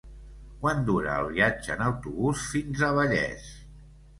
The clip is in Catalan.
Quant dura el viatge en autobús fins a Vallés?